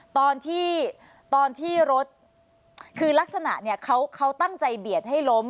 ตอนที่ตอนที่รถคือลักษณะเนี่ยเขาตั้งใจเบียดให้ล้ม